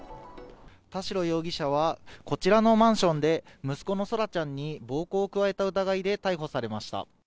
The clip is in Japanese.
田代容疑者は、こちらのマンションで、息子の空来ちゃんに暴行を加えた疑いで逮捕されました。